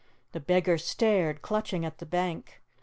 The beggar stared, clutching at the bank.